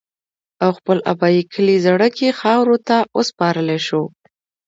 او خپل ابائي کلي زَړَه کښې خاورو ته اوسپارلے شو